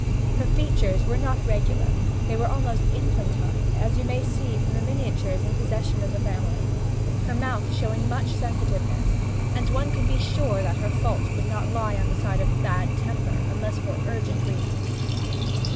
Her features were not regular: they were almost infantine, as you may see from miniatures in possession of the family, her mouth showing much sensitiveness, and one could be sure that her faults would not lie on the side of bad temper unless for urgent reasons.